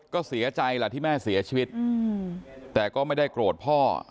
ก็เสียใจล่ะที่แม่เสียชีวิตแต่ก็ไม่ได้โกรธพ่อ